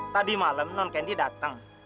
tadi malam non kendi datang